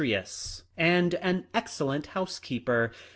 ous, and an excellent housekeeper.